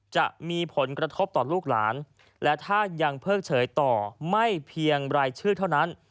จะมีผลกระทบต่อลูกหลานและถ้ายังเพิกเฉยต่อไม่เพียงรายชื่อเท่านั้น